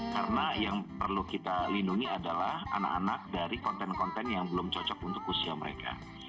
karena yang perlu kita lindungi adalah anak anak dari konten konten yang belum cocok untuk usia mereka